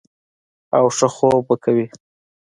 او ښۀ خوب به کوي -